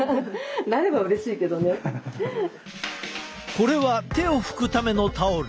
これは手を拭くためのタオル。